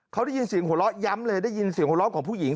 เขาได้ยินเสียงหัวเราะย้ำเลยได้ยินเสียงหัวเราะของผู้หญิง